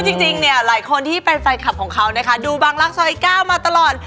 คือจริงนี่หลายคนที่เป็นไฟล์คัปของเขาดูบางรักสะอีกข้าวหลายตลอด